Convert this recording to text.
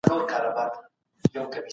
ستاسي نظر تر زما نظر پوخ دی.